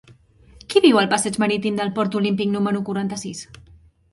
Qui viu al passeig Marítim del Port Olímpic número quaranta-sis?